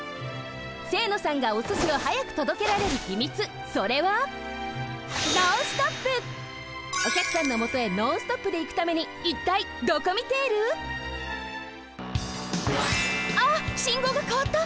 清野さんがおすしをはやくとどけられるひみつそれはおきゃくさんのもとへノンストップでいくためにいったいドコミテール？あっ信号がかわった！